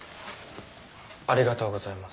ありがとうございます。